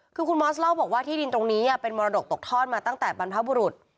คือคุณมอสเล่าบอกว่าที่ดินตรงนี้เป็นมรดกตกทอดมาตั้งแต่บรรพบุรุษ